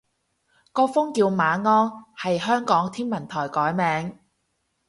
個風叫馬鞍，係香港天文台改名